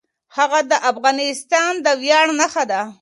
هغه د افغانستان د ویاړ نښه ده.